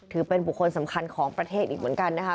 ถือเป็นบุคคลสำคัญของประเทศอีกเหมือนกันนะคะ